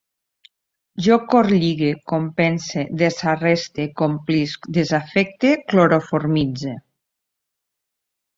Jo corlligue, compense, desarreste, complisc, desafecte, cloroformitze